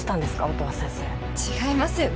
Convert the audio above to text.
音羽先生違いますよね？